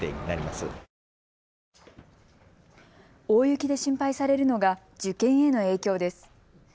大雪で心配されるのが受験への影響です。